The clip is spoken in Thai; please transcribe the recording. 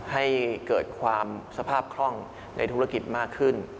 ให้เกิดความสภาพคล่องในธุรกิจมากขึ้น